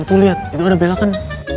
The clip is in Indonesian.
tuh liat itu ada bella kan